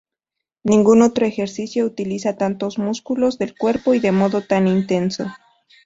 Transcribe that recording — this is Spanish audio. Ningún otro ejercicio utiliza tantos músculos del cuerpo y de modo tan intenso.